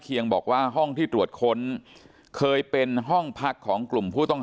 บอกว่าห้องที่ตรวจค้นเคยเป็นห้องพักของกลุ่มผู้ต้องหา